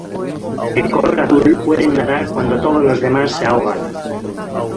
De color azul, pueden nadar cuando todos los demás se ahogan.